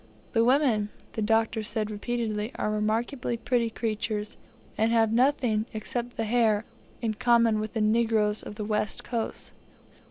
The women, the Doctor said repeatedly, are remarkably pretty creatures, and have nothing, except the hair, in common with the negroes of the West Coast.